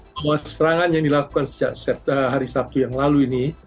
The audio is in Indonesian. bahwa serangan yang dilakukan hari sabtu yang lalu ini